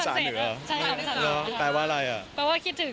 ใช่ใช่ประวัติว่าอะไร